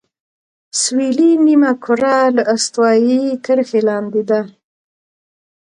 سویلي نیمهکره له استوایي کرښې لاندې ده.